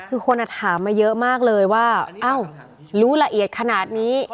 คือคนถามมาเยอะมากเลยว่าอ้าวรู้ละเอียดขนาดนี้